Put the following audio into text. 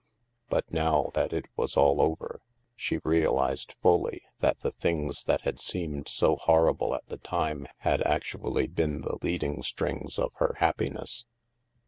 But now that it was all over, she realized fully that the things that had seemed so horrible at the time had actually been the leading strings of her happiness.